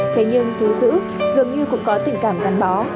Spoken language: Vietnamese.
thế nhưng thú giữ dường như cũng có tình cảm gắn bó